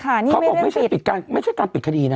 เขาบอกมันไม่ใช่การปิดคดีนะ